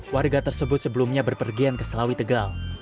warga tersebut sebelumnya berpergian ke selawi tegal